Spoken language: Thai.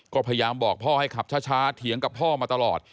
ก็พยายามบอกพ่อให้ขับช้าเถียงกับพ่อมาตลอด